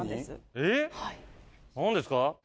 えっ何ですか？